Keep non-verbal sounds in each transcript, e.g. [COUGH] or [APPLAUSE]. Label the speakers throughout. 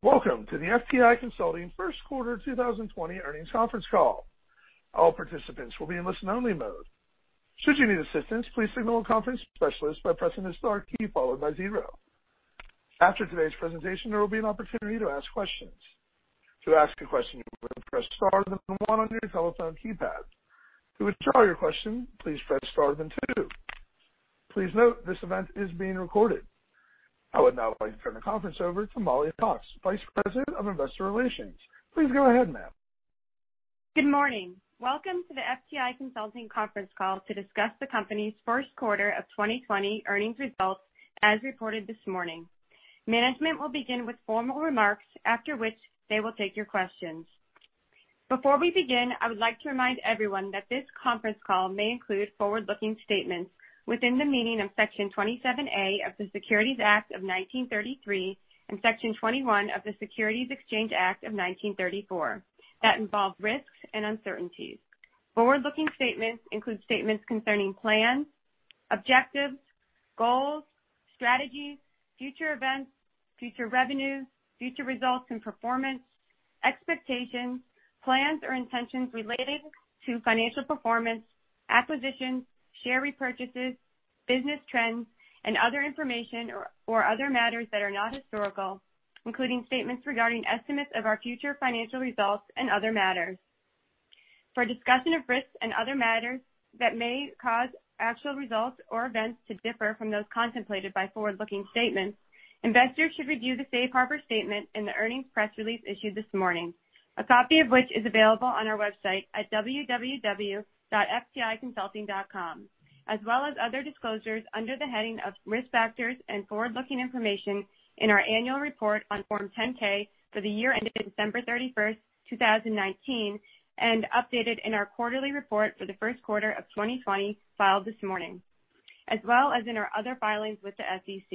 Speaker 1: Welcome to the FTI Consulting First Quarter 2020 Earnings Conference Call. All participants will be in listen only mode. Should you need assistance, please signal a conference specialist by pressing the star key followed by zero. After today's presentation, there will be an opportunity to ask questions. To ask a question, you will press star then one on your telephone keypad. To withdraw your question, please press star then two. Please note this event is being recorded. I would now like to turn the conference over to Mollie Hawkes, Vice President of Investor Relations. Please go ahead, ma'am.
Speaker 2: Good morning. Welcome to the FTI Consulting conference call to discuss the company's first quarter of 2020 earnings results, as reported this morning. Management will begin with formal remarks, after which they will take your questions. Before we begin, I would like to remind everyone that this conference call may include forward-looking statements within the meaning of Section 27A of the Securities Act of 1933 and Section 21 of the Securities Exchange Act of 1934 that involve risks and uncertainties. Forward-looking statements include statements concerning plans, objectives, goals, strategies, future events, future revenues, future results and performance, expectations, plans or intentions related to financial performance, acquisitions, share repurchases, business trends, and other information or other matters that are not historical, including statements regarding estimates of our future financial results and other matters. For a discussion of risks and other matters that may cause actual results or events to differ from those contemplated by forward-looking statements, investors should review the safe harbor statement in the earnings press release issued this morning, a copy of which is available on our website at www.fticonsulting.com, as well as other disclosures under the heading of Risk Factors and Forward-Looking Information in our annual report on Form 10-K for the year ended December 31st, 2019, and updated in our quarterly report for the first quarter of 2020, filed this morning. As well as in our other filings with the SEC.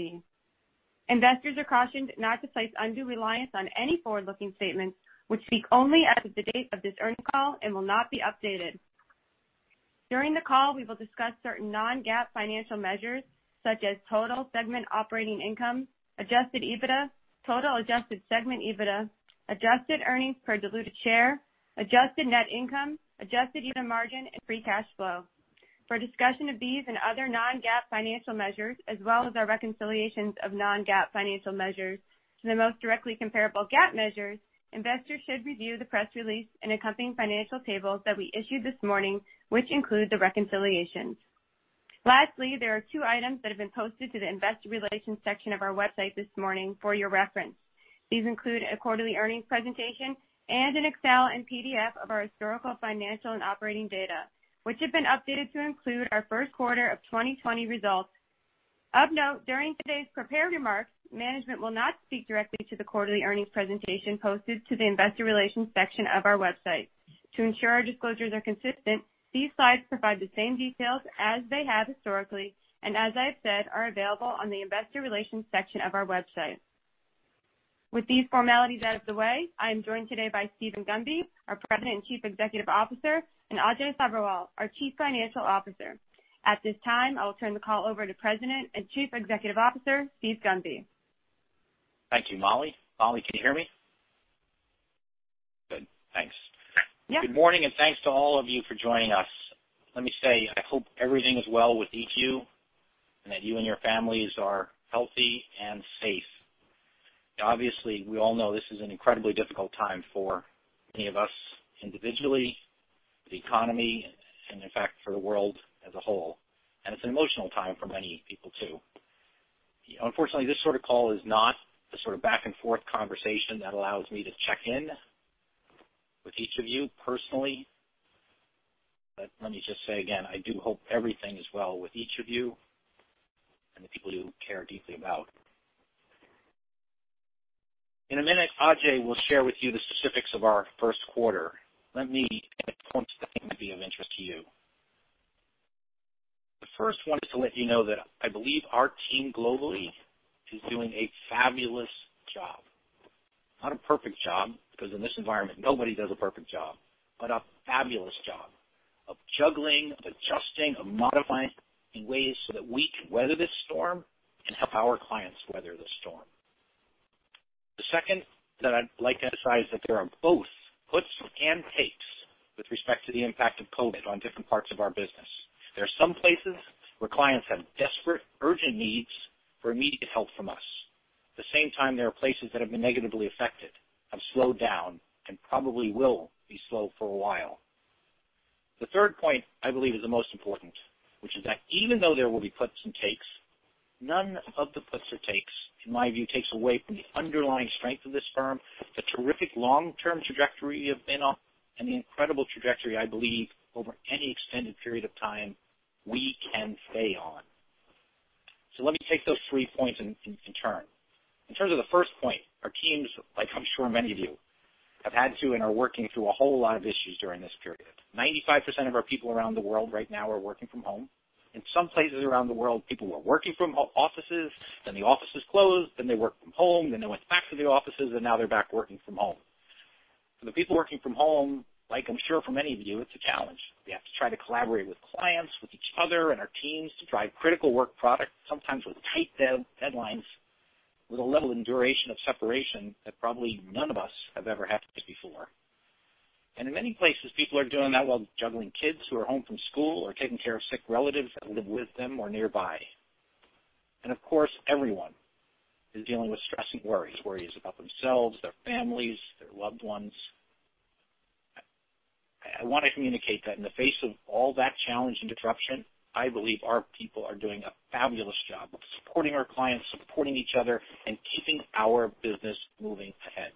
Speaker 2: Investors are cautioned not to place undue reliance on any forward-looking statements which speak only as of the date of this earnings call and will not be updated. During the call, we will discuss certain non-GAAP financial measures such as total segment operating income, adjusted EBITDA, total adjusted segment EBITDA, adjusted earnings per diluted share, adjusted net income, adjusted EBITDA margin and free cash flow. For a discussion of these and other non-GAAP financial measures, as well as our reconciliations of non-GAAP financial measures to the most directly comparable GAAP measures, investors should review the press release and accompanying financial tables that we issued this morning, which include the reconciliations. Lastly, there are two items that have been posted to the investor relations section of our website this morning for your reference. These include a quarterly earnings presentation and an Excel and PDF of our historical financial and operating data, which have been updated to include our first quarter of 2020 results. Of note, during today's prepared remarks, management will not speak directly to the quarterly earnings presentation posted to the Investor Relations section of our website. To ensure our disclosures are consistent, these slides provide the same details as they have historically, and as I've said, are available on the Investor Relations section of our website. With these formalities out of the way, I am joined today by Steven Gunby, our President and Chief Executive Officer, and Ajay Sabherwal, our Chief Financial Officer. At this time, I will turn the call over to President and Chief Executive Officer, Steve Gunby.
Speaker 3: Thank you, Mollie. Mollie, can you hear me? Good. Thanks.
Speaker 2: Yeah.
Speaker 3: Good morning, thanks to all of you for joining us. Let me say, I hope everything is well with each of you, and that you and your families are healthy and safe. Obviously, we all know this is an incredibly difficult time for many of us individually, the economy, and in fact, for the world as a whole, and it's an emotional time for many people, too. Unfortunately, this sort of call is not the sort of back-and-forth conversation that allows me to check in with each of you personally. Let me just say again, I do hope everything is well with each of you and the people you care deeply about. In a minute, Ajay will share with you the specifics of our first quarter. Let me make a point that I think may be of interest to you. The first one is to let you know that I believe our team globally is doing a fabulous job. Not a perfect job, because in this environment, nobody does a perfect job, but a fabulous job of juggling, of adjusting, of modifying in ways so that we can weather this storm and help our clients weather this storm. The second that I'd like to emphasize that there are both puts and takes with respect to the impact of COVID on different parts of our business. There are some places where clients have desperate, urgent needs for immediate help from us. At the same time, there are places that have been negatively affected, have slowed down, and probably will be slow for a while. The third point I believe is the most important, which is that even though there will be puts and takes, none of the puts or takes, in my view, takes away from the underlying strength of this firm, the terrific long-term trajectory we've been on, and the incredible trajectory I believe over any extended period of time we can stay on. Let me take those three points in turn. In terms of the first point, our teams, like I'm sure many of you, have had to and are working through a whole lot of issues during this period. 95% of our people around the world right now are working from home. In some places around the world, people were working from offices. The offices closed. They worked from home. They went back to the offices. Now they're back working from home. For the people working from home, like I'm sure for many of you, it's a challenge. We have to try to collaborate with clients, with each other, and our teams to drive critical work product, sometimes with tight deadlines, with a level and duration of separation that probably none of us have ever had to before. In many places, people are doing that while juggling kids who are home from school or taking care of sick relatives that live with them or nearby. Of course, everyone is dealing with stress and worries. Worries about themselves, their families, their loved ones. I want to communicate that in the face of all that challenge and disruption, I believe our people are doing a fabulous job of supporting our clients, supporting each other, and keeping our business moving ahead.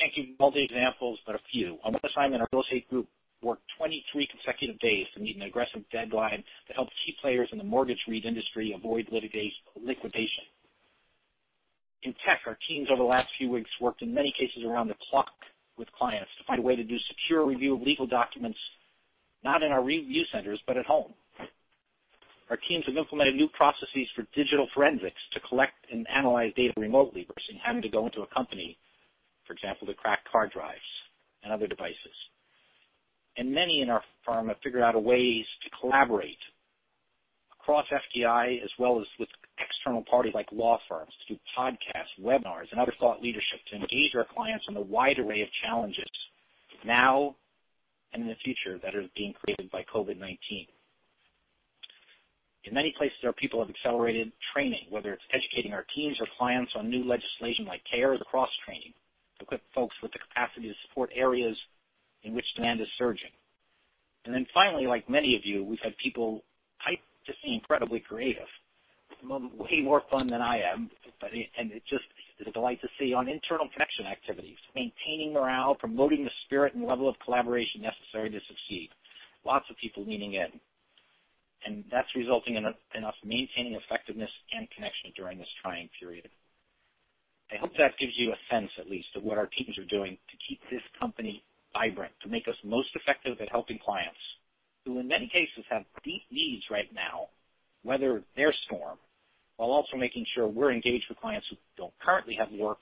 Speaker 3: I can give you multiple examples, but a few. On one assignment, our real estate group worked 23 consecutive days to meet an aggressive deadline that helped key players in the mortgage REIT industry avoid liquidation. In tech, our teams over the last few weeks worked, in many cases, around the clock with clients to find a way to do secure review of legal documents, not in our review centers, but at home. Our teams have implemented new processes for digital forensics to collect and analyze data remotely versus having to go into a company, for example, to crack hard drives and other devices. Many in our firm have figured out ways to collaborate across FTI as well as with external parties like law firms through podcasts, webinars, and other thought leadership to engage our clients on the wide array of challenges now and in the future that are being created by COVID-19. In many places, our people have accelerated training, whether it's educating our teams or clients on new legislation like CARES across training, to equip folks with the capacity to support areas in which demand is surging. Finally, like many of you, we've had people I just think incredibly creative, way more fun than I am, and it just is a delight to see on internal connection activities. Maintaining morale, promoting the spirit and level of collaboration necessary to succeed. Lots of people leaning in. That's resulting in us maintaining effectiveness and connection during this trying period. I hope that gives you a sense at least of what our teams are doing to keep this company vibrant, to make us most effective at helping clients who in many cases have deep needs right now, weather their storm, while also making sure we're engaged with clients who don't currently have work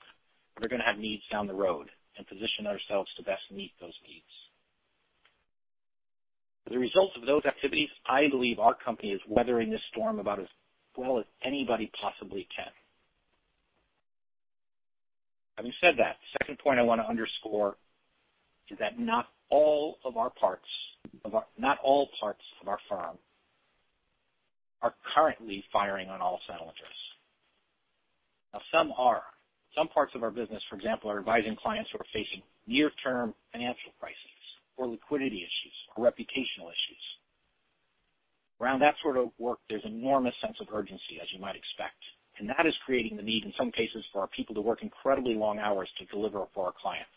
Speaker 3: but are going to have needs down the road and position ourselves to best meet those needs. As a result of those activities, I believe our company is weathering this storm about as well as anybody possibly can. Having said that, the second point I want to underscore is that not all parts of our firm are currently firing on all cylinders. Now some are. Some parts of our business, for example, are advising clients who are facing near-term financial crises or liquidity issues or reputational issues. Around that sort of work, there's enormous sense of urgency, as you might expect, and that is creating the need, in some cases, for our people to work incredibly long hours to deliver for our clients.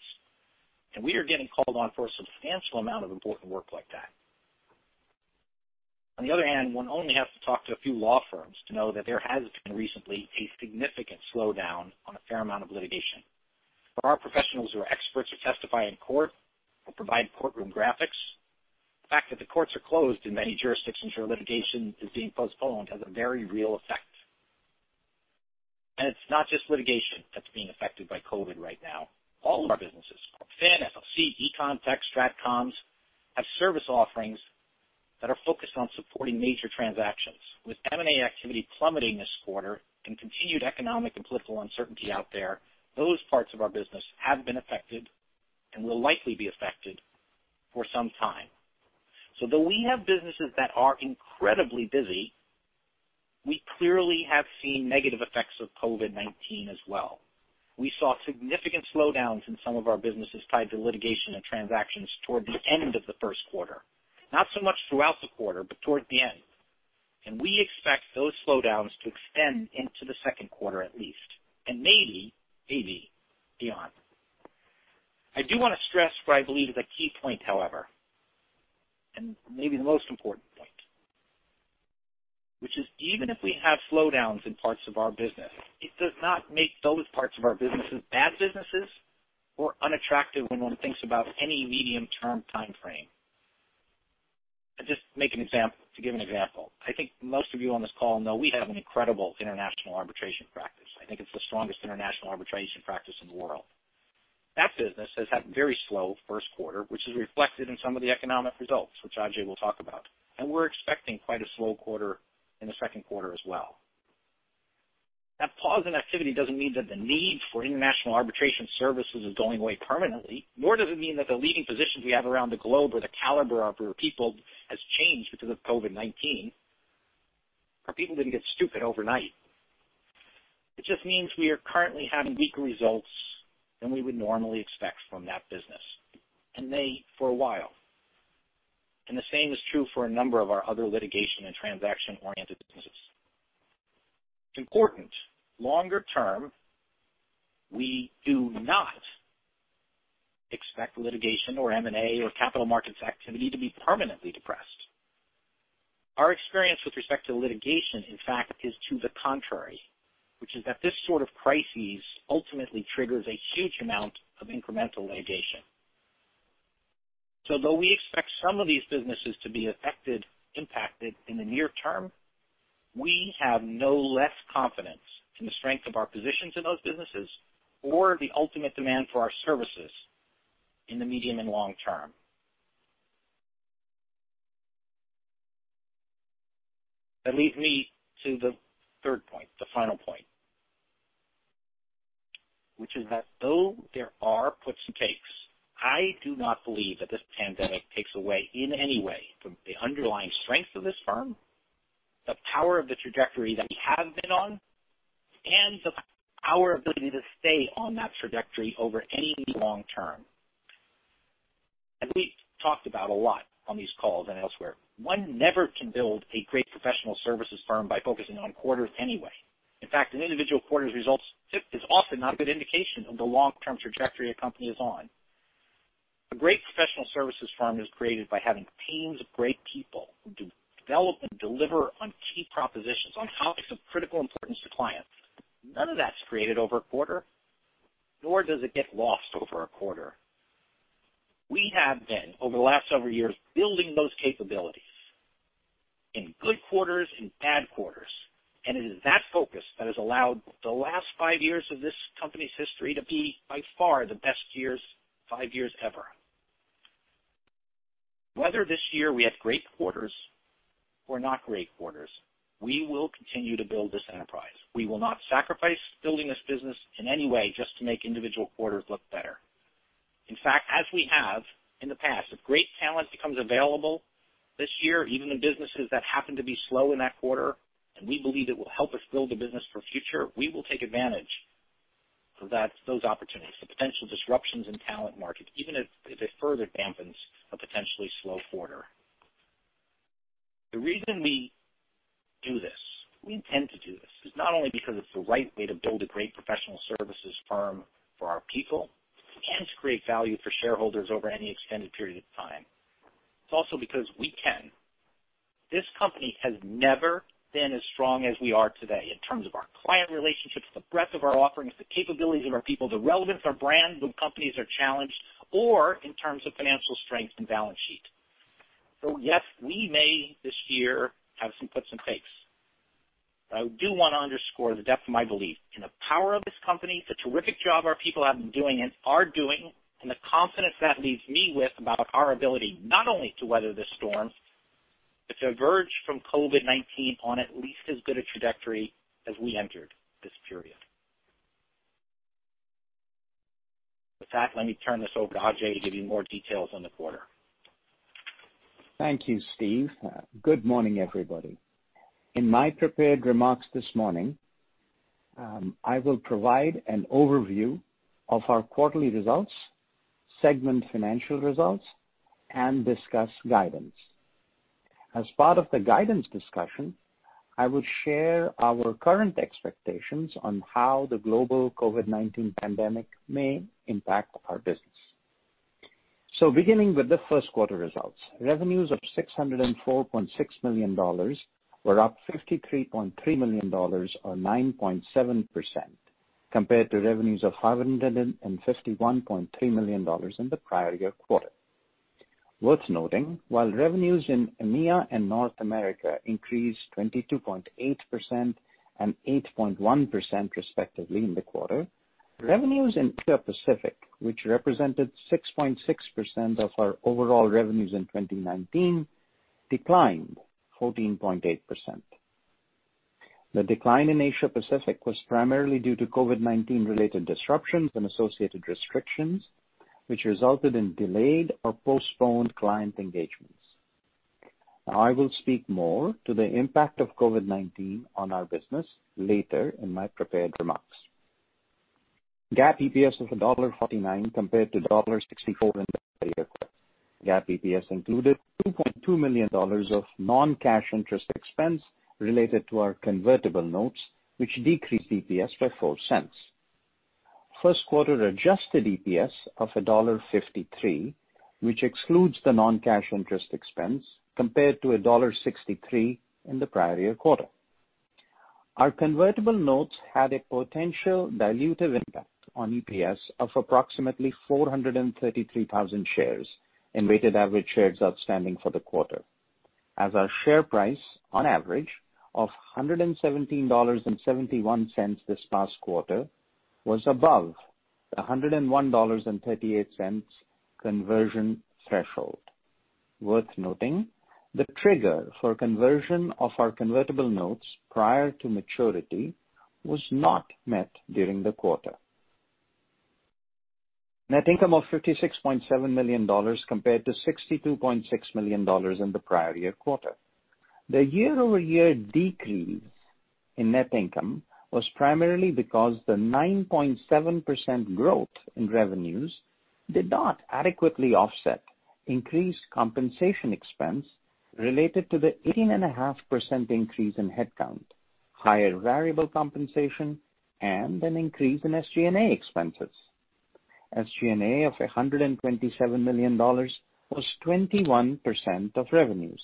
Speaker 3: We are getting called on for a substantial amount of important work like that. On the other hand, one only has to talk to a few law firms to know that there has been recently a significant slowdown on a fair amount of litigation. For our professionals who are experts who testify in court or provide courtroom graphics, the fact that the courts are closed in many jurisdictions or litigation is being postponed has a very real effect. It's not just litigation that's being affected by COVID-19 right now. All of our businesses, Corp Fin, FLC, Econ, Tech, Stratcoms, have service offerings that are focused on supporting major transactions. With M&A activity plummeting this quarter and continued economic and political uncertainty out there, those parts of our business have been affected and will likely be affected for some time. Though we have businesses that are incredibly busy, we clearly have seen negative effects of COVID-19 as well. We saw significant slowdowns in some of our businesses tied to litigation and transactions toward the end of the first quarter. Not so much throughout the quarter, but toward the end. We expect those slowdowns to extend into the second quarter at least, and maybe beyond. I do want to stress what I believe is a key point, however, and maybe the most important point, which is even if we have slowdowns in parts of our business, it does not make those parts of our businesses bad businesses or unattractive when one thinks about any medium-term timeframe. To give an example, I think most of you on this call know we have an incredible international arbitration practice. I think it's the strongest international arbitration practice in the world. That business has had a very slow first quarter, which is reflected in some of the economic results, which Ajay will talk about, and we're expecting quite a slow quarter in the second quarter as well. That pause in activity doesn't mean that the need for international arbitration services is going away permanently, nor does it mean that the leading positions we have around the globe or the caliber of our people has changed because of COVID-19. Our people didn't get stupid overnight. It just means we are currently having weaker results than we would normally expect from that business, and may for a while. The same is true for a number of our other litigation and transaction-oriented businesses. It's important, longer term, we do not expect litigation or M&A or capital markets activity to be permanently depressed. Our experience with respect to litigation, in fact, is to the contrary, which is that this sort of crisis ultimately triggers a huge amount of incremental litigation. Though we expect some of these businesses to be affected, impacted in the near-term, we have no less confidence in the strength of our positions in those businesses or the ultimate demand for our services in the medium and long-term. That leads me to the third point, the final point, which is that though there are puts and takes, I do not believe that this pandemic takes away, in any way, from the underlying strength of this firm, the power of the trajectory that we have been on, and our ability to stay on that trajectory over any long-term. As we've talked about a lot on these calls and elsewhere, one never can build a great professional services firm by focusing on quarters anyway. In fact, an individual quarter's results is often not a good indication of the long-term trajectory a company is on. A great professional services firm is created by having teams of great people who develop and deliver on key propositions on topics of critical importance to clients. None of that's created over a quarter, nor does it get lost over a quarter. We have been, over the last several years, building those capabilities in good quarters and bad quarters. It is that focus that has allowed the last five years of this company's history to be by far the best five years ever. Whether this year we have great quarters or not great quarters, we will continue to build this enterprise. We will not sacrifice building this business in any way just to make individual quarters look better. In fact, as we have in the past, if great talent becomes available this year, even in businesses that happen to be slow in that quarter, we believe it will help us build the business for future, we will take advantage of those opportunities, the potential disruptions in talent markets, even if it further dampens a potentially slow quarter. The reason we do this, we intend to do this, is not only because it's the right way to build a great professional services firm for our people and to create value for shareholders over any extended period of time. It's also because we can. This company has never been as strong as we are today in terms of our client relationships, the breadth of our offerings, the capabilities of our people, the relevance of our brand when companies are challenged, or in terms of financial strength and balance sheet. Yes, we may this year have some puts and takes. I do want to underscore the depth of my belief in the power of this company, the terrific job our people have been doing and are doing, and the confidence that leaves me with about our ability not only to weather this storm, but to emerge from COVID-19 on at least as good a trajectory as we entered this period. With that, let me turn this over to Ajay to give you more details on the quarter.
Speaker 4: Thank you, Steve. Good morning, everybody. In my prepared remarks this morning, I will provide an overview of our quarterly results, segment financial results, and discuss guidance. As part of the guidance discussion, I will share our current expectations on how the global COVID-19 pandemic may impact our business. Beginning with the first quarter results. Revenues of $604.6 million were up $53.3 million or 9.7% compared to revenues of $551.3 million in the prior year quarter. Worth noting, while revenues in EMEA and North America increased 22.8% and 8.1%, respectively, in the quarter, revenues in Asia Pacific, which represented 6.6% of our overall revenues in 2019, declined 14.8%. The decline in Asia Pacific was primarily due to COVID-19 related disruptions and associated restrictions, which resulted in delayed or postponed client engagements. I will speak more to the impact of COVID-19 on our business later in my prepared remarks. GAAP EPS of $1.49 compared to $1.64 in the prior year quarter. GAAP EPS included $2.2 million of non-cash interest expense related to our convertible notes, which decreased EPS by $0.04. First quarter adjusted EPS of $1.53, which excludes the non-cash interest expense compared to $1.63 in the prior year quarter. Our convertible notes had a potential dilutive impact on EPS of approximately 433,000 shares in weighted average shares outstanding for the quarter, as our share price on average of $117.71 this past quarter was above the $101.38 conversion threshold. Worth noting, the trigger for conversion of our convertible notes prior to maturity was not met during the quarter. Net income of $56.7 million compared to $62.6 million in the prior year quarter. The year-over-year decrease in net income was primarily because the 9.7% growth in revenues did not adequately offset increased compensation expense related to the 18.5% increase in headcount, higher variable compensation, and an increase in SG&A expenses. SG&A of $127 million was 21% of revenues.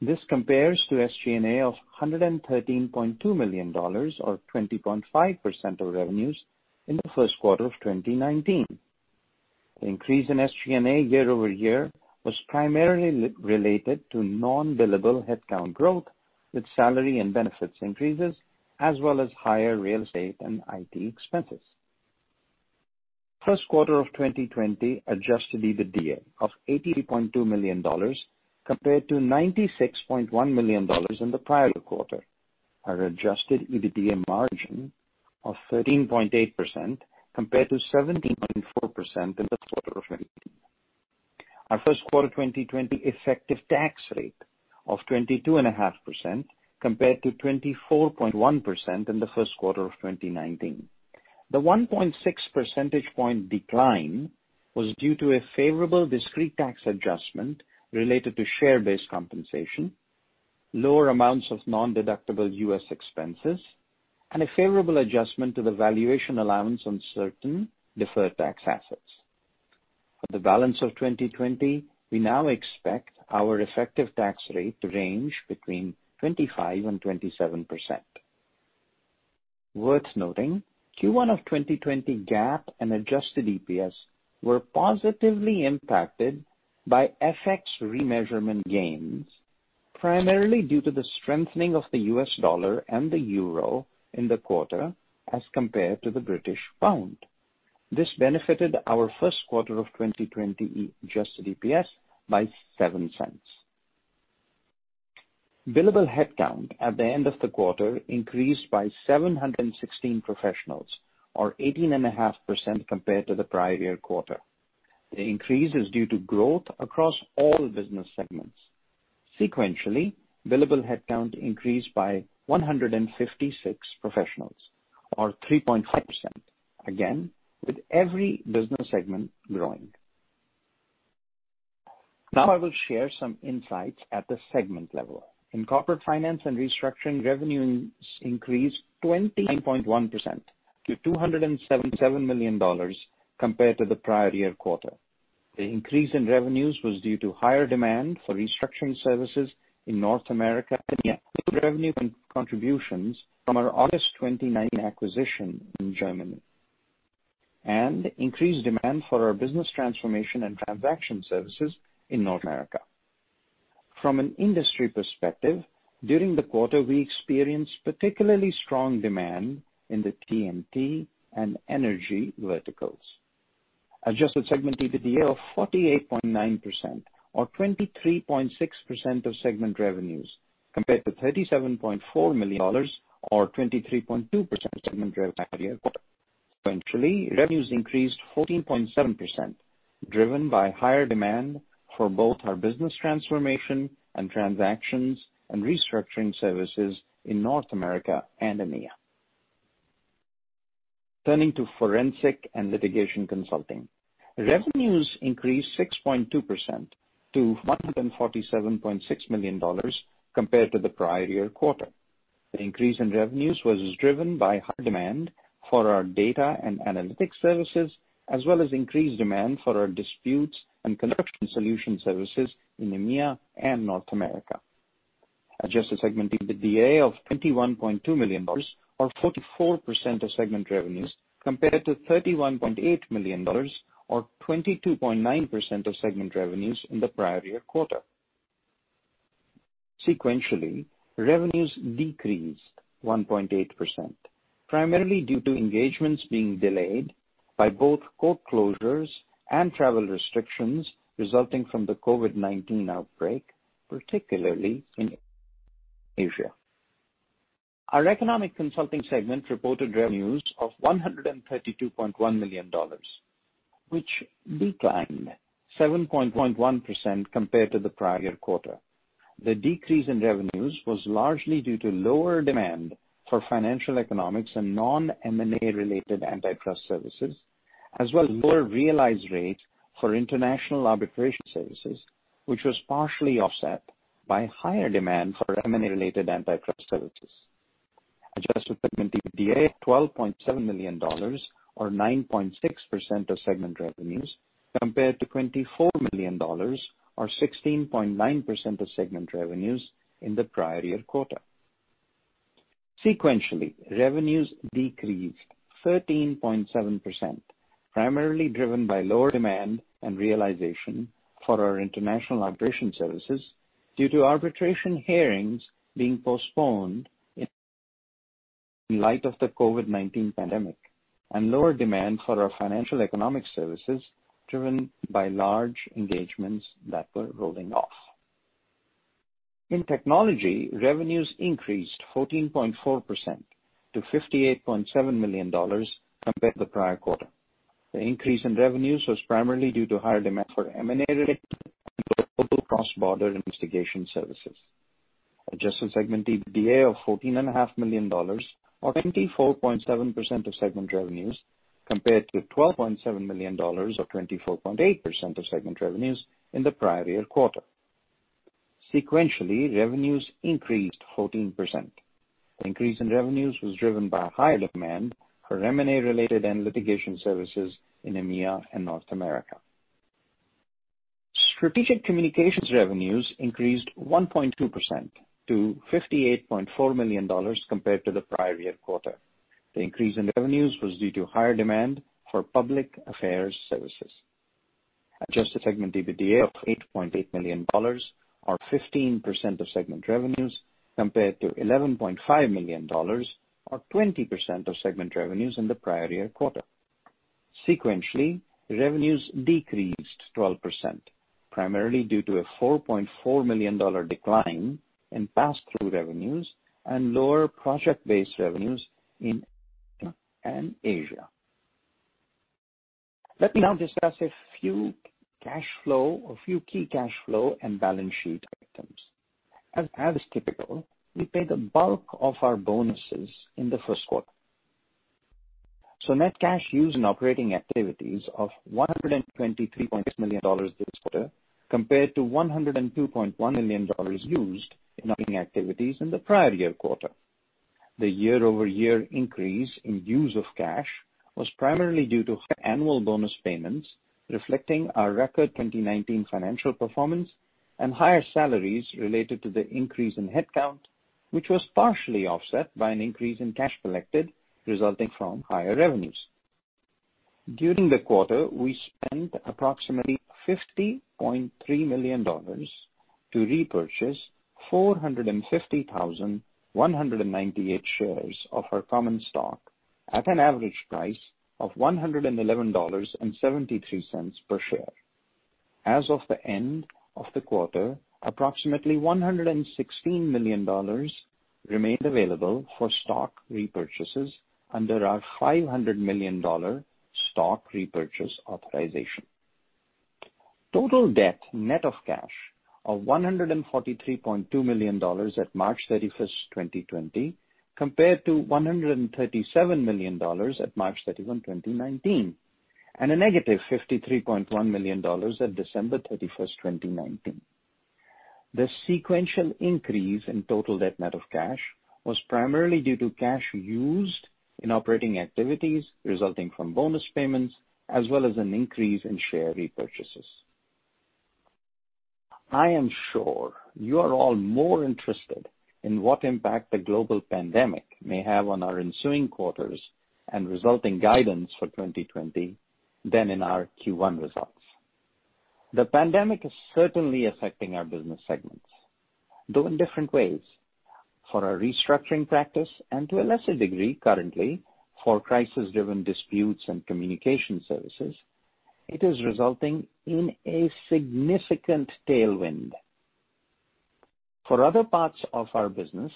Speaker 4: This compares to SG&A of $113.2 million or 20.5% of revenues in the first quarter of 2019. The increase in SG&A year-over-year was primarily related to non-billable headcount growth with salary and benefits increases, as well as higher real estate and IT expenses. First quarter of 2020 adjusted EBITDA of $83.2 million compared to $96.1 million in the prior quarter. Our adjusted EBITDA margin of 13.8% compared to 17.4% in the quarter of 2019. Our first quarter 2020 effective tax rate of 22.5% compared to 24.1% in the first quarter of 2019. The 1.6 percentage point decline was due to a favorable discrete tax adjustment related to share-based compensation, lower amounts of non-deductible U.S. expenses, and a favorable adjustment to the valuation allowance on certain deferred tax assets. For the balance of 2020, we now expect our effective tax rate to range between 25% and 27%. Worth noting, Q1 of 2020 GAAP and adjusted EPS were positively impacted by FX remeasurement gains, primarily due to the strengthening of the U.S. dollar and the euro in the quarter as compared to the British pound. This benefited our first quarter of 2020 adjusted EPS by $0.07. Billable headcount at the end of the quarter increased by 716 professionals, or 18.5% compared to the prior year quarter. The increase is due to growth across all business segments. Sequentially, billable headcount increased by 156 professionals or 3.5%. Again, with every business segment growing. Now I will share some insights at the segment level. In Corporate Finance & Restructuring, revenues increased 29.1% to $277 million compared to the prior year quarter. The increase in revenues was due to higher demand for restructuring services in North America and full revenue contributions from our August 2019 acquisition in Germany, and increased demand for our business transformation and transaction services in North America. From an industry perspective, during the quarter, we experienced particularly strong demand in the TMT and energy verticals. Adjusted segment EBITDA of 48.9% or 23.6% of segment revenues, compared to $37.4 million or 23.2% of segment revenue in the prior quarter. Sequentially, revenues increased 14.7%, driven by higher demand for both our business transformation and transactions and restructuring services in North America and EMEA. Turning to Forensic and Litigation Consulting. Revenues increased 6.2% to $147.6 million compared to the prior year quarter. The increase in revenues was driven by high demand for our data and analytics services, as well as increased demand for our disputes and corruption solution services in EMEA and North America. Adjusted segment EBITDA of $21.2 million or 44% of segment revenues, compared to $31.8 million or 22.9% of segment revenues in the prior year quarter. Sequentially, revenues decreased 1.8%, primarily due to engagements being delayed by both court closures and travel restrictions resulting from the COVID-19 outbreak, particularly in Asia. Our Economic Consulting segment reported revenues of $132.1 million, which declined 7.1% compared to the prior year quarter. The decrease in revenues was largely due to lower demand for financial economics and non-M&A related antitrust services, as well as lower realized rates for international arbitration services, which was partially offset by higher demand for M&A related antitrust services. Adjusted segment EBITDA of $12.7 million or 9.6% of segment revenues, compared to $24 million or 16.9% of segment revenues in the prior year quarter. Sequentially, revenues decreased 13.7%, primarily driven by lower demand and realization for our international arbitration services due to arbitration hearings being postponed in light of the COVID-19 pandemic and lower demand for our financial economics services, driven by large engagements that were rolling off. In technology, revenues increased 14.4% to $58.7 million compared to the prior quarter. The increase in revenues was primarily due to higher demand for M&A-related cross-border investigation services. Adjusted segment EBITDA of $14.5 million or 24.7% of segment revenues, compared to $12.7 million or 24.8% of segment revenues in the prior year quarter. Sequentially, revenues increased 14%. The increase in revenues was driven by a higher demand for M&A-related and litigation services in EMEA and North America. Strategic Communications revenues increased 1.2% to $58.4 million compared to the prior year quarter. The increase in revenues was due to higher demand for public affairs services. Adjusted segment EBITDA of $8.8 million or 15% of segment revenues compared to $11.5 million or 20% of segment revenues in the prior year quarter. Sequentially, revenues decreased 12%, primarily due to a $4.4 million decline in pass-through revenues and lower project-based revenues in EMEA and Asia. Let me now discuss a few key cash flow and balance sheet items. As is typical, we pay the bulk of our bonuses in the first quarter. Net cash used in operating activities of $123.6 million this quarter compared to $102.1 million used in operating activities in the prior year quarter. The year-over-year increase in use of cash was primarily due to annual bonus payments reflecting our record 2019 financial performance and higher salaries related to the increase in headcount, which was partially offset by an increase in cash collected resulting from higher revenues. During the quarter, we spent approximately $50.3 million to repurchase 450,198 shares of our common stock at an average price of $111.73 per share. As of the end of the quarter, approximately $116 million remained available for stock repurchases under our $500 million stock repurchase authorization. Total debt net of cash of $143.2 million at March 31st, 2020, compared to $137 million at March 31, 2019, and a -$53.1 million at December 31st, 2019. The sequential increase in total debt net of cash was primarily due to cash used in operating activities resulting from bonus payments, as well as an increase in share repurchases. I am sure you are all more interested in what impact the global pandemic may have on our ensuing quarters and resulting guidance for 2020 than in our Q1 results. The pandemic is certainly affecting our business segments, though in different ways. For our restructuring practice and to a lesser degree currently for crisis-driven disputes and communication services, it is resulting in a significant tailwind. For other parts of our business,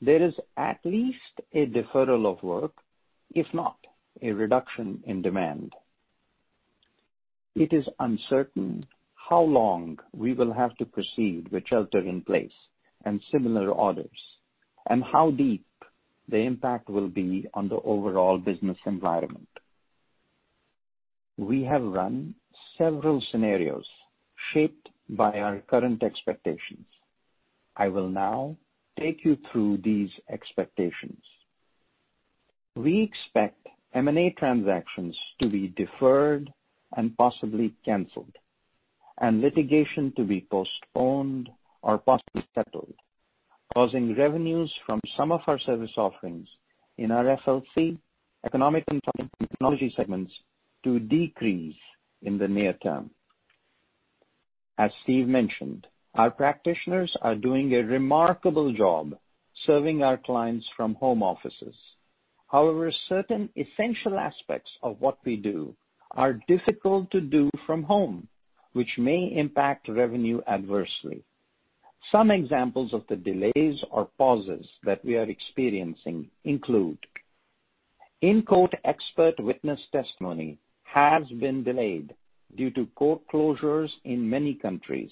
Speaker 4: there is at least a deferral of work, if not a reduction in demand. It is uncertain how long we will have to proceed with shelter in place and similar orders, and how deep the impact will be on the overall business environment. We have run several scenarios shaped by our current expectations. I will now take you through these expectations. We expect M&A transactions to be deferred and possibly canceled, and litigation to be postponed or possibly settled, causing revenues from some of our service offerings in our FLC, economic and technology segments to decrease in the near-term. As Steve mentioned, our practitioners are doing a remarkable job serving our clients from home offices. However, certain essential aspects of what we do are difficult to do from home, which may impact revenue adversely. Some examples of the delays or pauses that we are experiencing include in court expert witness testimony has been delayed due to court closures in many countries.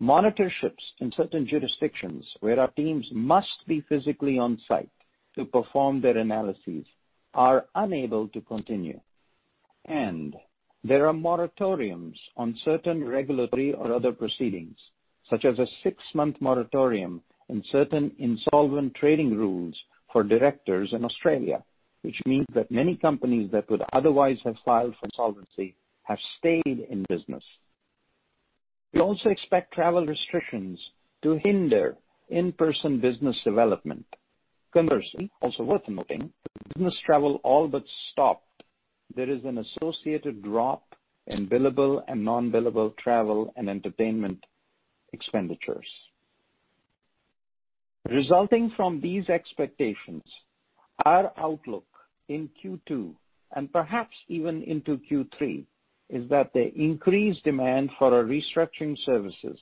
Speaker 4: Monitorships in certain jurisdictions where our teams must be physically on-site to perform their analyses are unable to continue, and there are moratoriums on certain regulatory or other proceedings, such as a six-month moratorium on certain insolvent trading rules for directors in Australia, which means that many companies that would otherwise have filed for insolvency have stayed in business. We also expect travel restrictions to hinder in-person business development. Conversely, also worth noting, business travel all but stopped. There is an associated drop in billable and non-billable travel and entertainment expenditures. Resulting from these expectations, our outlook in Q2 and perhaps even into Q3 is that the increased demand for our restructuring services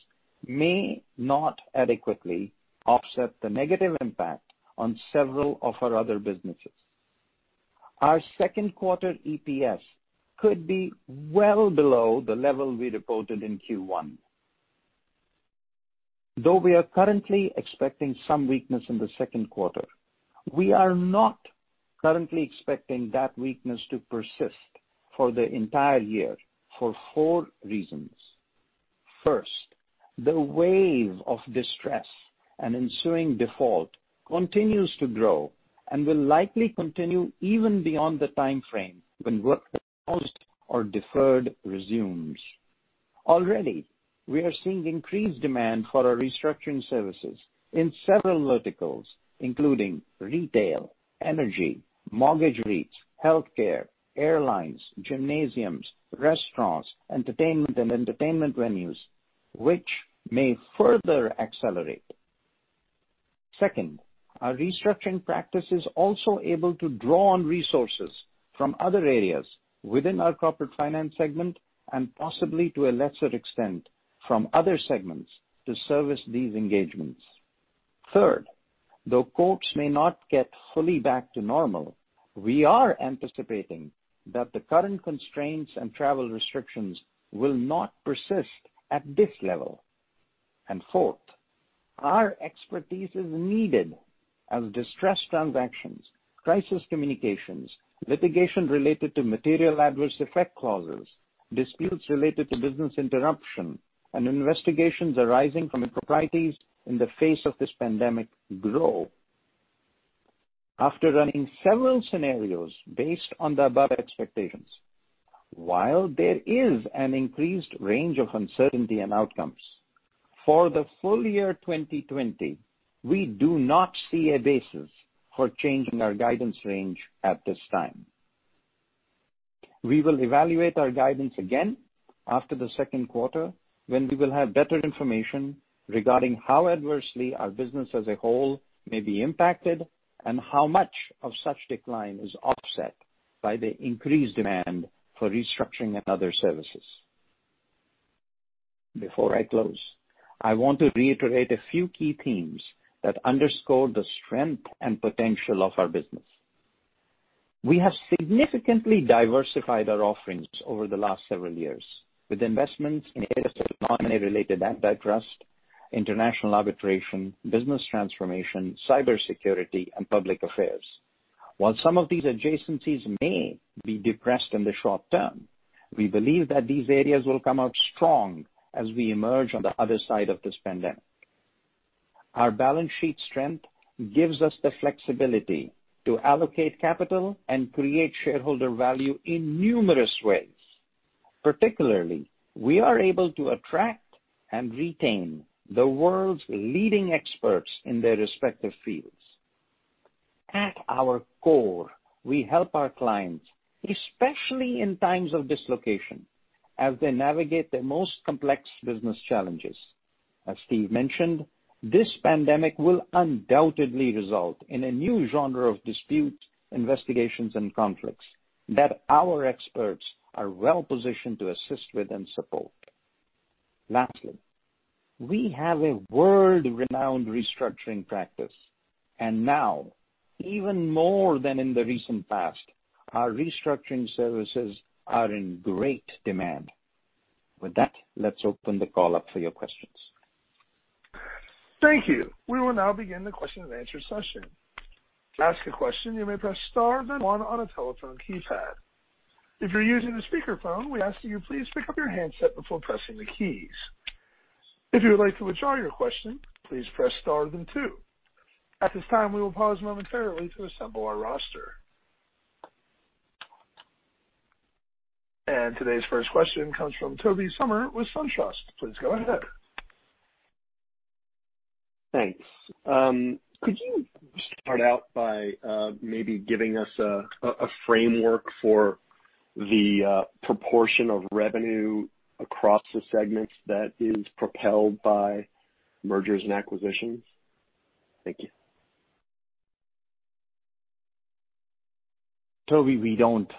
Speaker 4: may not adequately offset the negative impact on several of our other businesses. Our second quarter EPS could be well below the level we reported in Q1. Though we are currently expecting some weakness in the second quarter, we are not currently expecting that weakness to persist for the entire year for four reasons. First, the wave of distress and ensuing default continues to grow and will likely continue even beyond the timeframe when work paused or deferred resumes. Already, we are seeing increased demand for our restructuring services in several verticals, including retail, energy, mortgage REITs, healthcare, airlines, gymnasiums, restaurants, entertainment, and entertainment venues, which may further accelerate. Second, our restructuring practice is also able to draw on resources from other areas within our Corporate Finance segment, and possibly to a lesser extent, from other segments to service these engagements. Third, though courts may not get fully back to normal, we are anticipating that the current constraints and travel restrictions will not persist at this level. Fourth, our expertise is needed as distressed transactions, crisis communications, litigation related to material adverse effect clauses, disputes related to business interruption, and investigations arising from improprieties in the face of this pandemic grow. After running several scenarios based on the above expectations, while there is an increased range of uncertainty and outcomes, for the full year 2020, we do not see a basis for changing our guidance range at this time. We will evaluate our guidance again after the second quarter when we will have better information regarding how adversely our business as a whole may be impacted and how much of such decline is offset by the increased demand for restructuring and other services. Before I close, I want to reiterate a few key themes that underscore the strength and potential of our business. We have significantly diversified our offerings over the last several years with investments in M&A-related antitrust, international arbitration, business transformation, cybersecurity, and public affairs. While some of these adjacencies may be depressed in the short-term, we believe that these areas will come out strong as we emerge on the other side of this pandemic. Our balance sheet strength gives us the flexibility to allocate capital and create shareholder value in numerous ways. Particularly, we are able to attract and retain the world's leading experts in their respective fields. At our core, we help our clients, especially in times of dislocation, as they navigate their most complex business challenges. As Steve mentioned, this pandemic will undoubtedly result in a new genre of disputes, investigations, and conflicts that our experts are well-positioned to assist with and support. Lastly, we have a world-renowned restructuring practice, and now, even more than in the recent past, our restructuring services are in great demand. With that, let's open the call up for your questions.
Speaker 1: Thank you. We will now begin the question and answer session. To ask a question, you may press star then one on a telephone keypad. If you're using a speakerphone, we ask that you please pick up your handset before pressing the keys. If you would like to withdraw your question, please press star then two. At this time, we will pause momentarily to assemble our roster. Today's first question comes from Tobey Sommer with SunTrust. Please go ahead.
Speaker 5: Thanks. Could you start out by maybe giving us a framework for the proportion of revenue across the segments that is propelled by mergers and acquisitions? Thank you.
Speaker 4: Tobey, we don't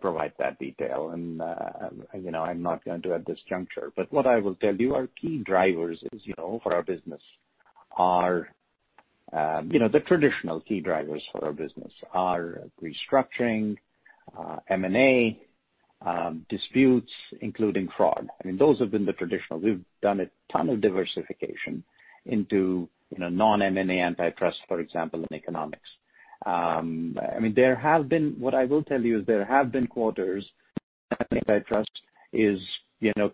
Speaker 4: provide that detail and I'm not going to at this juncture. What I will tell you, our key drivers for our business are the traditional key drivers for our business, are restructuring, M&A, disputes, including fraud. Those have been the traditional. We've done a ton of diversification into non-M&A antitrust, for example, and economics. What I will tell you is there have been quarters that antitrust is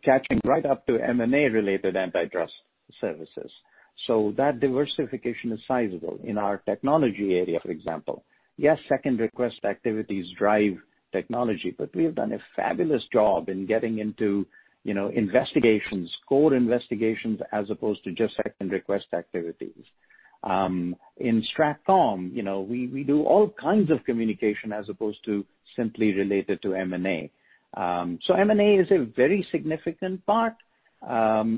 Speaker 4: catching right up to M&A-related antitrust services. That diversification is sizable in our technology area, for example. Yes, second request activities drive technology, we have done a fabulous job in getting into investigations, core investigations, as opposed to just second request activities. In StratComm, we do all kinds of communication as opposed to simply related to M&A. M&A is a very significant part,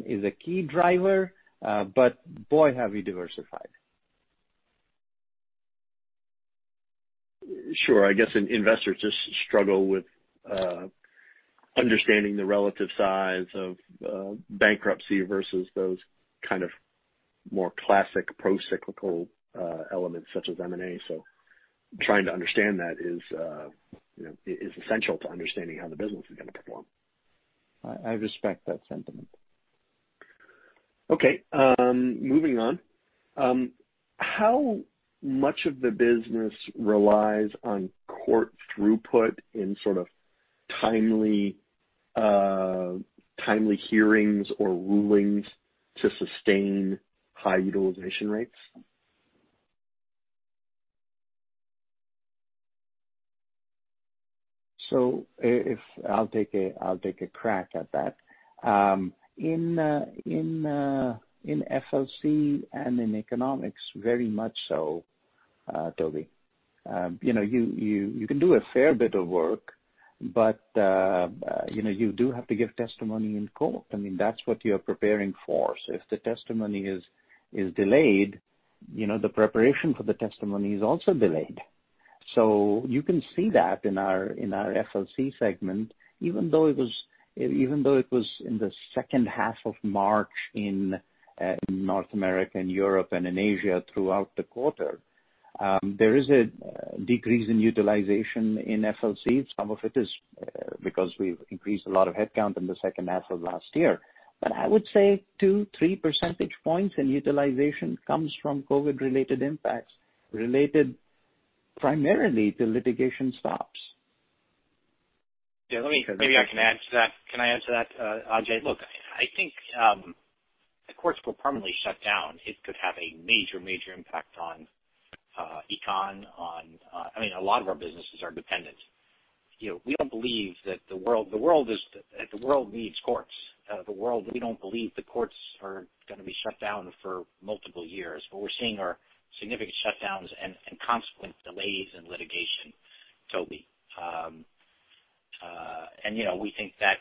Speaker 4: is a key driver, boy, have we diversified.
Speaker 5: Sure. I guess investors just struggle with understanding the relative size of bankruptcy versus those kind of more classic procyclical elements such as M&A. Trying to understand that is essential to understanding how the business is going to perform.
Speaker 4: I respect that sentiment.
Speaker 5: Okay. Moving on. How much of the business relies on court throughput in sort of timely hearings or rulings to sustain high utilization rates?
Speaker 4: I'll take a crack at that. In FLC and in Economic Consulting, very much so, Tobey. You can do a fair bit of work, but you do have to give testimony in court. I mean, that's what you're preparing for. If the testimony is delayed, the preparation for the testimony is also delayed. You can see that in our FLC segment, even though it was in the second half of March in North America and Europe and in Asia throughout the quarter. There is a decrease in utilization in FLC. Some of it is because we've increased a lot of headcount in the second half of last year. I would say 2-3 percentage points in utilization comes from COVID-related impacts related primarily to litigation stops.
Speaker 3: Yeah, maybe I can add to that. Can I answer that, Ajay? I think the courts were permanently shut down. It could have a major impact on econ. A lot of our businesses are dependent. The world needs courts. We don't believe the courts are going to be shut down for multiple years, but we're seeing are significant shutdowns and consequent delays in litigation, Tobey. We think that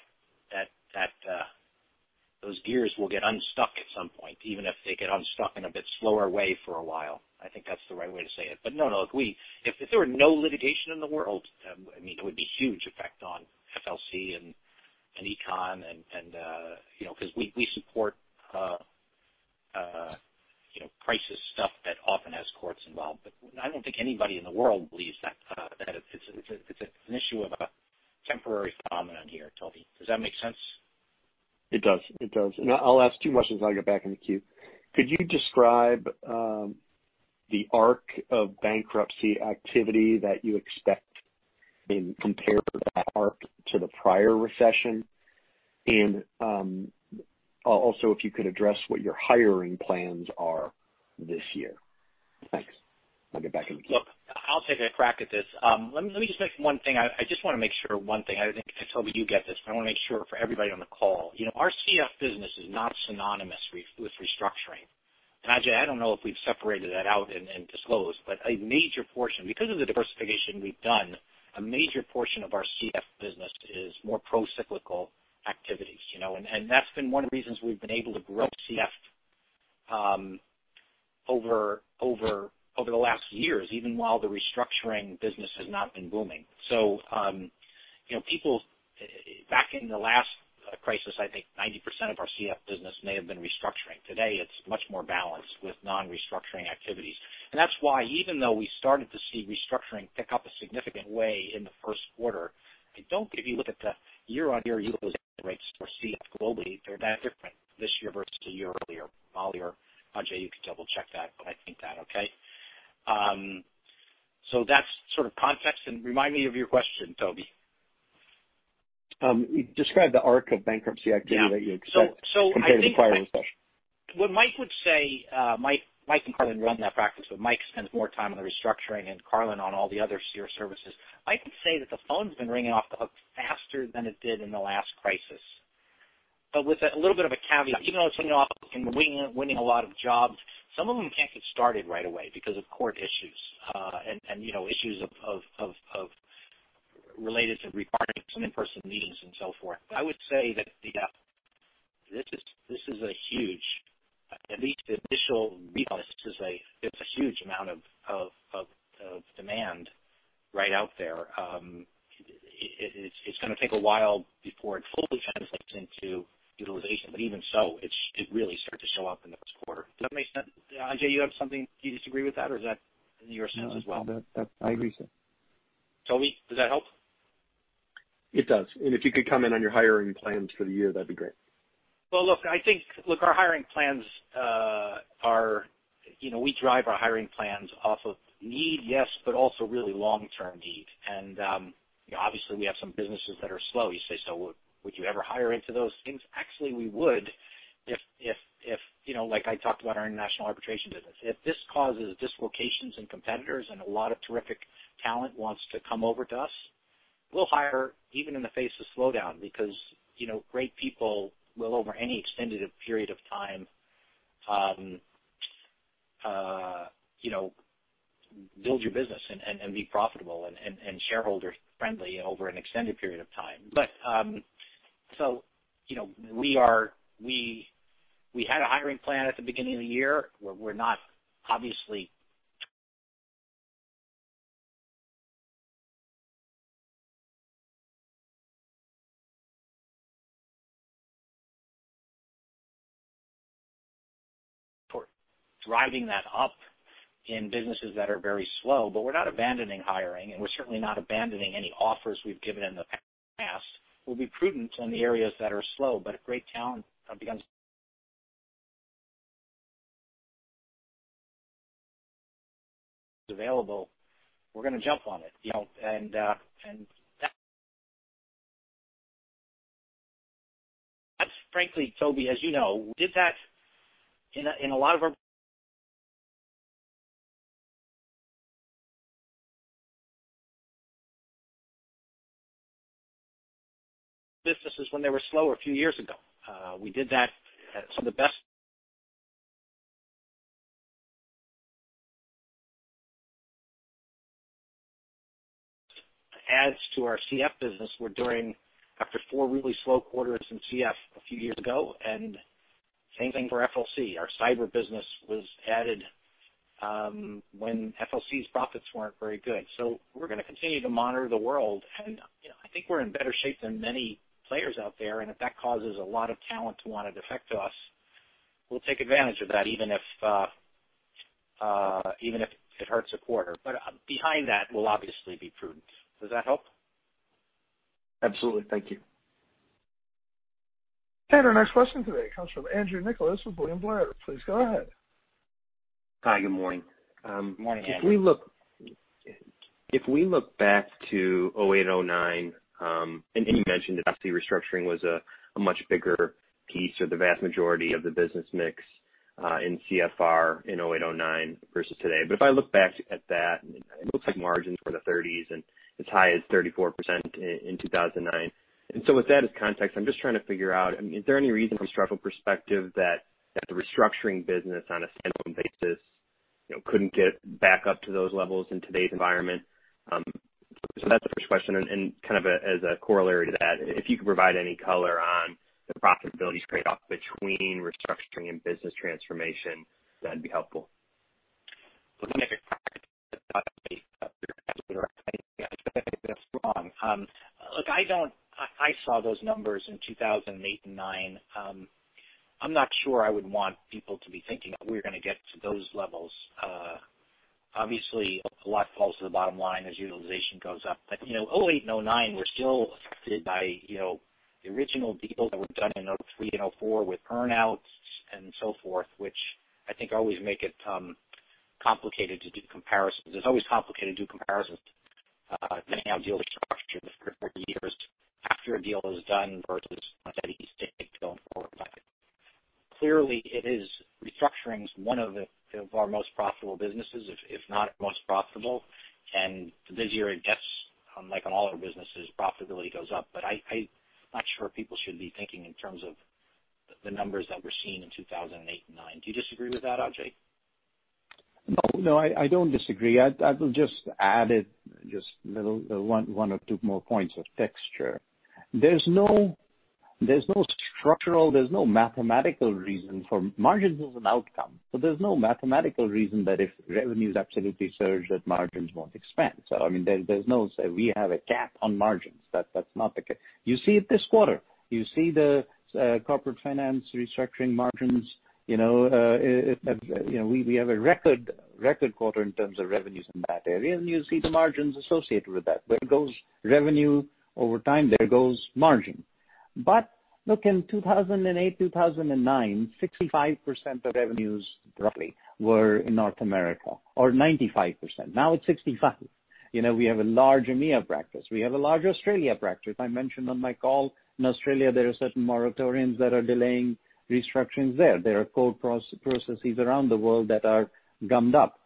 Speaker 3: those gears will get unstuck at some point, even if they get unstuck in a bit slower way for a while. I think that's the right way to say it. If there were no litigation in the world, it would be huge effect on FLC and econ because we support crisis stuff that often has courts involved. I don't think anybody in the world believes that. It's an issue of a temporary phenomenon here, Tobey. Does that make sense?
Speaker 5: It does. I'll ask two questions, and I'll get back in the queue. Could you describe the arc of bankruptcy activity that you expect and compare that arc to the prior recession? Also if you could address what your hiring plans are this year. Thanks. I'll get back in the queue.
Speaker 3: Look, I'll take a crack at this. Let me just make one thing. I just want to make sure one thing. I think, Tobey, you get this, but I want to make sure for everybody on the call. Our CF business is not synonymous with restructuring. Ajay, I don't know if we've separated that out and disclosed, but because of the diversification we've done, a major portion of our CF business is more pro-cyclical activities. That's been one of the reasons we've been able to grow CF over the last years, even while the restructuring business has not been booming. Back in the last crisis, I think 90% of our CF business may have been restructuring. Today, it's much more balanced with non-restructuring activities. That's why even though we started to see restructuring pick up a significant way in the first quarter, if you look at the year-on-year utilization rates for CF globally, they're that different this year versus one year earlier. Mollie or Ajay, you can double-check that. I think that okay. That's sort of context, remind me of your question, Tobey.
Speaker 5: Describe the arc of bankruptcy activity that you expect compared to the prior recession.
Speaker 3: What Mike would say. Mike and Carlyn run that practice, but Mike spends more time on the restructuring and Carlyn on all the other CF services. I can say that the phone's been ringing off the hook faster than it did in the last crisis. With a little bit of a caveat, even though it's ringing off the hook and we're winning a lot of jobs, some of them can't get started right away because of court issues, and issues related to requiring some in-person meetings and so forth. I would say that this is a huge, at least the initial readout. It's a huge amount of demand right out there. It's going to take a while before it fully translates into utilization, even so, it really started to show up in the first quarter. Does that make sense? Ajay, do you disagree with that, or is that your sense as well?
Speaker 4: No, I agree, sir.
Speaker 3: Tobey, does that help?
Speaker 5: It does. If you could comment on your hiring plans for the year, that'd be great.
Speaker 3: Look, our hiring plans are we drive our hiring plans off of need, yes, but also really long-term need. Obviously we have some businesses that are slow. You say, "Would you ever hire into those things?" Actually, we would. Like I talked about our international arbitration business. If this causes dislocations in competitors and a lot of terrific talent wants to come over to us, we'll hire even in the face of slowdown because great people will over any extended period of time build your business and be profitable and shareholder-friendly over an extended period of time. We had a hiring plan at the beginning of the year. We're not obviously driving that up in businesses that are very slow. We're not abandoning hiring, and we're certainly not abandoning any offers we've given in the past. We'll be prudent in the areas that are slow, but great talent becomes available, we're going to jump on it. That's frankly, Tobey, as you know, we did that in a lot of our businesses when they were slow a few years ago. We did that. Some of the best adds to our CF business we're doing after four really slow quarters in CF a few years ago, and same thing for FLC. Our cyber business was added, when FLC's profits weren't very good. We're going to continue to monitor the world. I think we're in better shape than many players out there, and if that causes a lot of talent to want to defect to us, we'll take advantage of that even if it hurts a quarter. Behind that, we'll obviously be prudent. Does that help?
Speaker 5: Absolutely. Thank you.
Speaker 1: Our next question today comes from Andrew Nicholas with William Blair. Please go ahead.
Speaker 6: Hi, good morning.
Speaker 3: Morning, Andrew.
Speaker 6: If we look back to 2008 and 2009, you mentioned that CF Restructuring was a much bigger piece or the vast majority of the business mix, in CFR in 2008, 2009 versus today. If I look back at that, it looks like margins were in the 30s and as high as 34% in 2009. With that as context, I mean, is there any reason from a structural perspective that the Restructuring business on a standalone basis couldn't get back up to those levels in today's environment? That's the first question. As a corollary to that, if you could provide any color on the profitability trade-off between Restructuring and business transformation, that'd be helpful.
Speaker 3: I saw those numbers in 2008 and 2009. I'm not sure I would want people to be thinking that we're going to get to those levels. A lot falls to the bottom line as utilization goes up. 2008 and 2009, we're still affected by the original deals that were done in 2003 and 2004 with earn-outs and so forth, which I think always make it complicated to do comparisons. It's always complicated to do comparisons depending how deals are structured for years after a deal is done versus on a steady state going forward. Clearly, restructuring is one of our most profitable businesses, if not most profitable. The busier it gets, like on all our businesses, profitability goes up. I'm not sure people should be thinking in terms of the numbers that were seen in 2008 and 2009. Do you disagree with that, Ajay?
Speaker 4: No, I don't disagree. I will just add one or two more points of texture. There's no structural, there's no mathematical reason for margins is an outcome. There's no mathematical reason that if revenues absolutely surge, that margins won't expand. I mean, there's no say we have a cap on margins. That's not the case. You see it this quarter. You see the Corporate Finance & Restructuring margins. We have a record quarter in terms of revenues in that area, and you see the margins associated with that. Where goes revenue over time, there goes margin. Look, in 2008, 2009, 65% of revenues roughly were in North America, or 95%. Now it's 65. We have a large EMEA practice. We have a large Australia practice. I mentioned on my call in Australia, there are certain moratoriums that are delaying restructurings there. There are court processes around the world that are gummed up.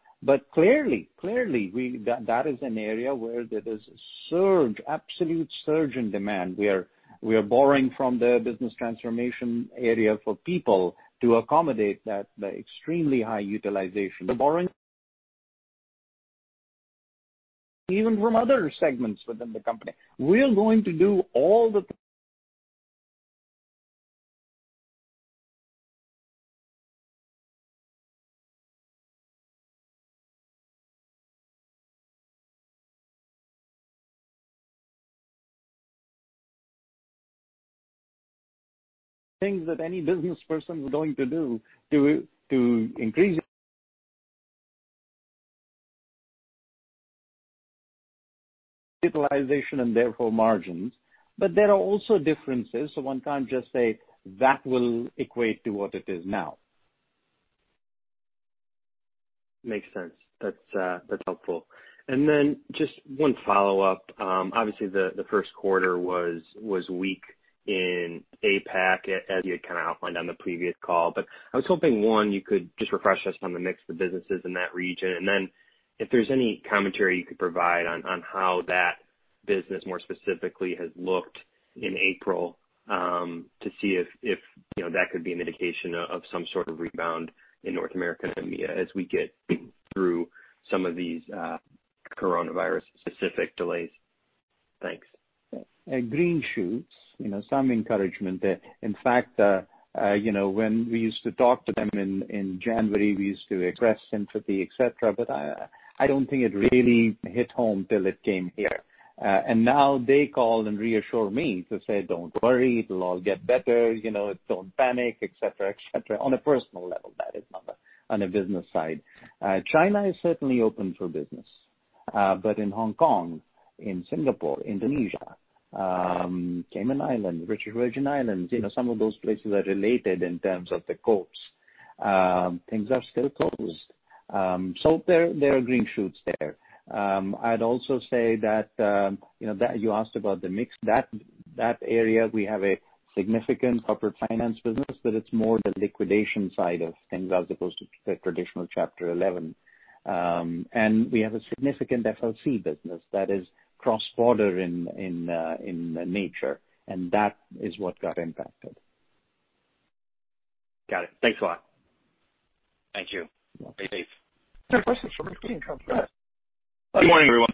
Speaker 4: Clearly that is an area where there is a surge, absolute surge in demand. We are borrowing from the business transformation area for people to accommodate that extremely high utilization. We're borrowing even from other segments within the company. We're going to do all the things that any business person is going to do to increase capitalization and therefore margins. There are also differences, so one can't just say that will equate to what it is now.
Speaker 6: Makes sense. That's helpful. Just one follow-up. Obviously, the first quarter was weak in APAC, as you had kind of outlined on the previous call. I was hoping, one, you could just refresh us on the mix of businesses in that region, and then if there's any commentary you could provide on how that business more specifically has looked in April, to see if that could be an indication of some sort of rebound in North America and EMEA as we get through some of these coronavirus specific delays. Thanks.
Speaker 3: Green shoots, some encouragement there. In fact, when we used to talk to them in January, we used to express sympathy, et cetera. I don't think it really hit home till it came here. Now they call and reassure me to say, "Don't worry, it'll all get better. Don't panic," et cetera. On a personal level, that is, not on a business side. China is certainly open for business.
Speaker 4: In Hong Kong, in Singapore, Indonesia, Cayman Islands, British Virgin Islands, some of those places are related in terms of the courts. Things are still closed. There are green shoots there. I'd also say that, you asked about the mix. That area, we have a significant Corporate Finance business, but it's more the liquidation side of things as opposed to the traditional Chapter 11. We have a significant FLC business that is cross-border in nature, and that is what got impacted.
Speaker 6: Got it. Thanks a lot.
Speaker 4: Thank you. Stay safe.
Speaker 1: Third question from [Marc]. [INAUDIBLE]
Speaker 7: Good morning, everyone.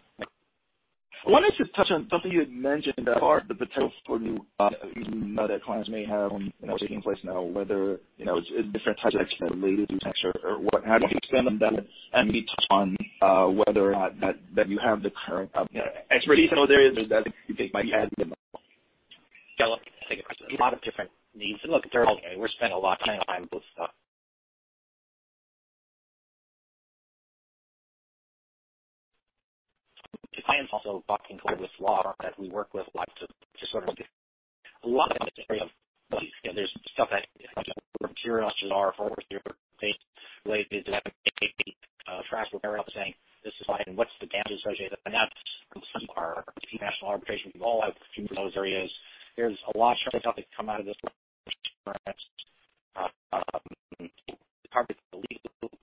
Speaker 7: I wanted to touch on something you had mentioned about the potential for new business that clients may have taking place now, whether it's different types of transactions related to tax or whatnot. Can you expand on that and maybe touch on whether or not that you have the current expertise in those areas that you think might be added now?
Speaker 3: Sure. I'll take a crack at that. A lot of different needs. Look, we're spending a lot of time on both stuff. The client's also often going with law firms that we work with a lot to sort of do a lot of the advisory of these. There's stuff that, for example, raw materials are forward based related to having a track record of saying, "This is fine. What's the damage associated?" That's from some of our international arbitration. We all have experience in those areas. There's a lot of structure that's come out of this with insurance, the targets of the legal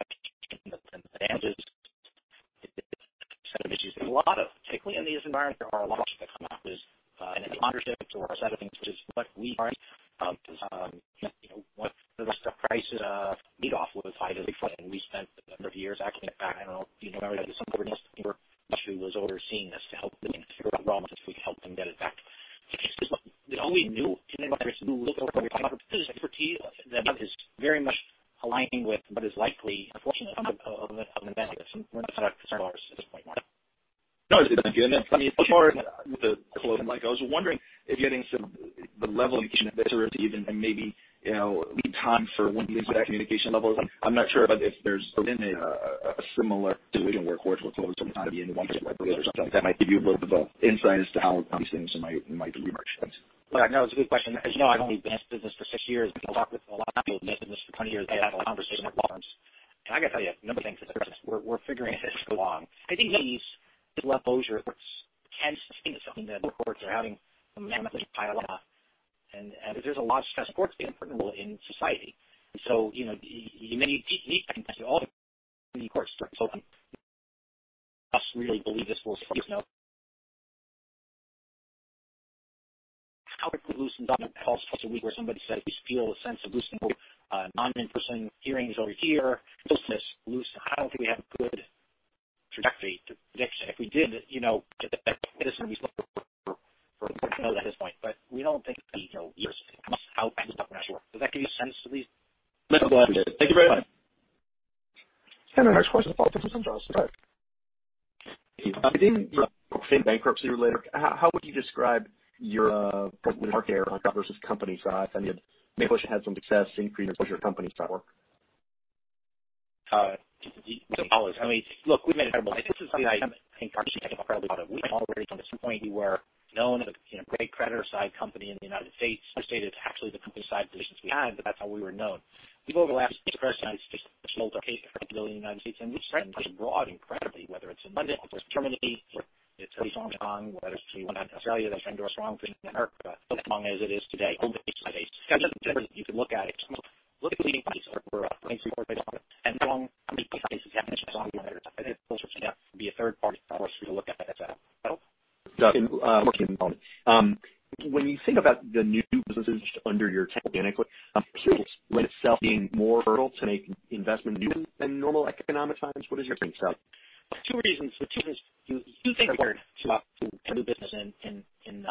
Speaker 3: action and the damages. It's a set of issues that a lot of, particularly in these environments, there are a lot of issues that come up with an entrepreneurship or a set of things, which is what we are. Because the rest of the price lead off was tied to. [INAUDIBLE] We spent a number of years, actually, in fact, I don't know if you remember, there was somebody else who was overseeing this to help figure out the raw materials, if we could help them get it back. Because all we knew was that there was a need for expertise that is very much aligning with what is likely, unfortunately, the outcome of an event like this. We're not concerned about ours at this point, [Marc].
Speaker 7: No, it's good. For the closing, I was wondering if getting the leveling of expertise and maybe lead time for one of these with that communication level, I'm not sure if there's been a similar division where courts were closed over time, be it in one jurisdiction or another or something that might give you a little bit of insight as to how these things might emerge.
Speaker 3: No, it's a good question. As you know, I've only been in this business for six years. I've talked with a lot of people who have been in this business for 20 years. I've had a lot of conversations with law firms. I got to tell you, a number of things that we're figuring this along. I think these closures tends to speak to something that both courts are having a massively high load, there's a lot of stress on courts being a critical role in society. You may need time to get all the courts to start to open. For us, really believe this will... How we could loosen [INAUDIBLE] calls twice a week where somebody says we feel a sense of loosening non-in-person hearings over here, closeness, loose. I don't think we have a good trajectory to predict. If we did, this would be something for us to note at this point. We don't think years from now how things will actually work. Does that give you a sense at least?
Speaker 7: Yes.
Speaker 3: Well, glad we did.
Speaker 7: Thank you very much.
Speaker 1: Our next question from [Charlie]. [INAUDIBLE]
Speaker 8: Within bankruptcy related, how would you describe your market share on that versus company side? I mean, maybe you had some success increasing your company's market share.
Speaker 3: I mean, look. This is something I think about incredibly a lot. We already from the standpoint we were known as a great creditor side company in the U.S. stated actually the company side positions we had, but that's how we were known. We've overlapped creditor side, especially in the U.S., and we've spread pretty broad incredibly, whether it's in London, whether it's Germany, whether it's Hong Kong, whether it's Australia that's trying to do a strong thing in America. Not as long as it is today on the case by case. You can look at it. Look at the leading cases that we're a principal participant in and how many cases you have mentioned along the way, whether it's closer to be a third-party or a look at it as a whole. When you think about the new businesses under your tent organically, presumably lend itself being more fertile to make investment than normal economic times. What is your take on that? Two reasons. Two things are hard to do business in the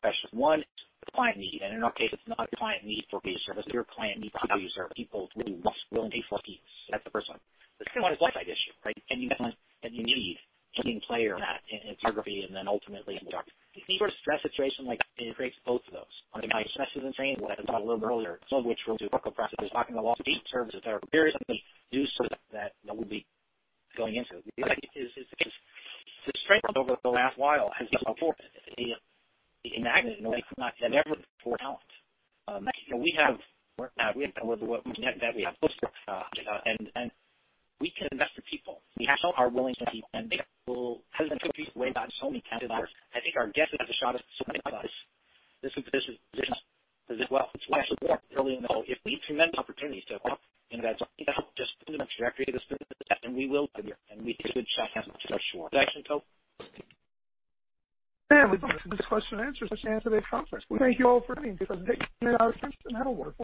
Speaker 3: profession. One is the client need. In our case, it's not a client need for a service. If your client needs a product or service, people really want, willing to pay for it. That's the first one. The second one is lifestyle issue, right? Can you get one that you need a leading player in that, in photography and then ultimately in the dark room. Any sort of stress situation like that, it creates both of those. On the client side, stresses and strains, what I talked a little bit earlier, some of which relate to workflow processes, talking to law firm services that are very suddenly due so that we'll be going into it. The reality is the strain over the last while has just been fourfold in magnitude in a way from [INAUDIBLE] talent. We have worked out, we have done a little bit of what we, [INAUDIBLE] that we have close to and we can invest in people. We have shown our willingness to people has been a good way about it so many times. I think our guess is as good a shot as anybody's. This position as it were. It's why I said earlier, if we have tremendous opportunities to help in that, just given the trajectory of this business, and we will be here, and we think it's a good shot, especially short. Does that make sense? [INAUDIBLE]
Speaker 1: With that, this question-and-answer session ends for today's conference. We thank you all for attending. Have a great day. That is our time and that'll work.